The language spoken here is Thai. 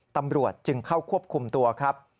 ตำรวจจึงเข้าควบคุมตัวครับ